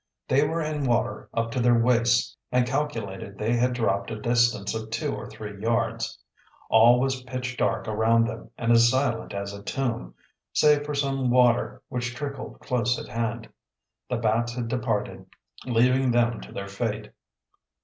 They were in water up to their waists and calculated they had dropped a distance of two or three yards. All was pitch dark around them and as silent as a tomb, save for some water which trickled close at hand. The bats had departed, leaving them to their fate.